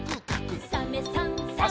「サメさんサバさん」